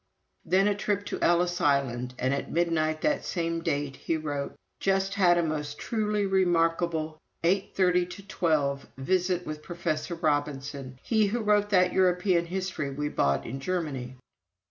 Then a trip to Ellis Island, and at midnight that same date he wrote: "Just had a most truly remarkable eight thirty to twelve visit with Professor Robinson, he who wrote that European history we bought in Germany."